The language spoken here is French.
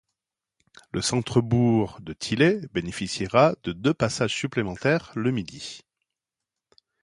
Le centre-bourg de Tillé bénéficiera de deux passages supplémentaires le midi.